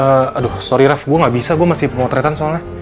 ee aduh sorry raff gua gabisa gua masih pemotretan soalnya